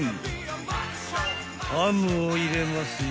［ハムを入れますよ］